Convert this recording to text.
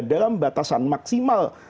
dalam batasan maksimal